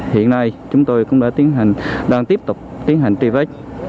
hiện nay chúng tôi cũng đang tiếp tục tiến hành truy vết